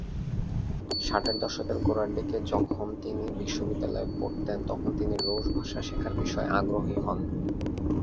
ষাটের দশকের গোড়ার দিকে যখন তিনি বিশ্ববিদ্যালয়ে পড়তেন তখন তিনি রুশ ভাষা শেখার বিষয়ে আগ্রহী হন।